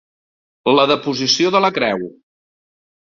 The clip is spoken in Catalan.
La deposició de la Creu.